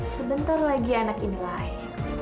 sebentar lagi anak ini lahir